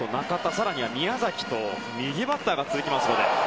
更には宮崎と右バッターが続きます。